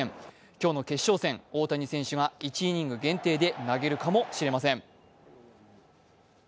今日の決勝戦、大谷選手が１イニング限定で投げるかもしれません。